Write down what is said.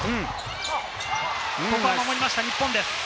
ここは守りました日本です。